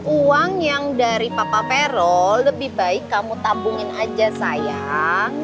uang yang dari papa vero lebih baik kamu tabungin aja sayang